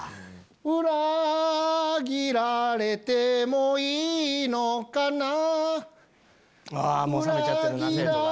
裏切られてもいいのかなもう冷めちゃってるな生徒が。